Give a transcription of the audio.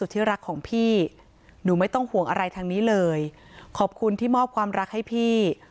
ที่รักของพี่หนูไม่ต้องห่วงอะไรทางนี้เลยขอบคุณที่มอบความรักให้พี่